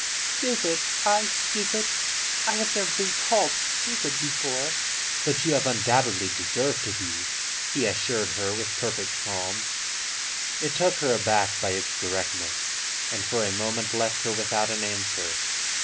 "Stupid! I stupid! I have never been called stupid before." "But you have undoubtedly deserved to be," he assured her with perfect calm. It took her aback by its directness, and for a moment left her without an answer.